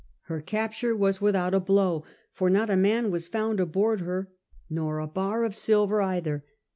Her capture was without a hlow, for not a man was found aboard her — nor a bar of silver either.